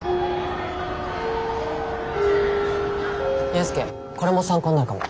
勇介これも参考になるかも。